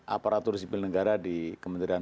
aparatur sipil negara di kementerian